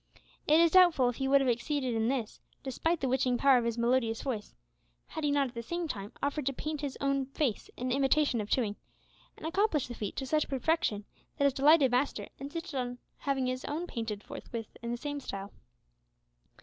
It is doubtful if he would have succeeded in this, despite the witching power of his melodious voice, had he not at the same time offered to paint his own face in imitation of tatooing, and accomplished the feat to such perfection that his delighted master insisted on having his own painted forthwith in the same style.